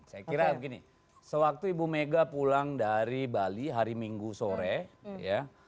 saya kira begini sewaktu ibu mega pulang dari bali hari minggu sore ya